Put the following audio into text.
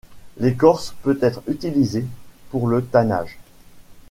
L’écorce peut être utilisée pour le tannage.